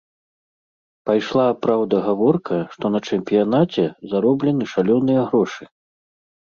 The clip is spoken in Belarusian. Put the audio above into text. Пайшла, праўда, гаворка, што на чэмпіянаце зароблены шалёныя грошы.